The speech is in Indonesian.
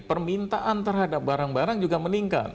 permintaan terhadap barang barang juga meningkat